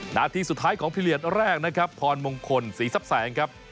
หน้าที่สุดท้ายของพิเศษแรกนะครับพรมงคลสีซับแสงครับ